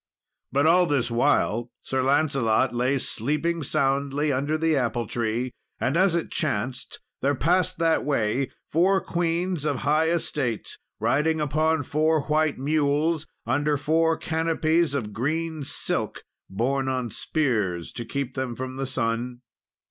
But all this while, Sir Lancelot lay sleeping soundly under the apple tree. And, as it chanced, there passed that way four queens, of high estate, riding upon four white mules, under four canopies of green silk borne on spears, to keep them from the sun.